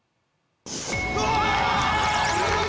うわ！